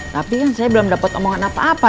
tapi kan saya belum dapat omongan apa apa